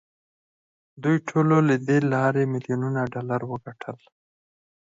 دوی ټولو له دې لارې میلیونونه ډالر وګټل